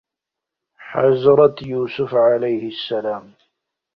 حضرت يوسف ع